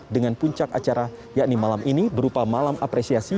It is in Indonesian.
dengan puncak acara yakni malam ini berupa malam apresiasi